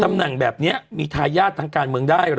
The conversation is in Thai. ตำแหน่งแบบนี้มีทายาททางการเมืองได้เหรอ